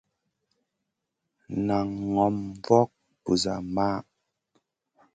Nan ŋòm fokŋ busa maʼh.